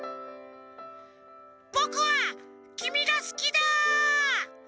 「ぼくはきみがすきだ！」。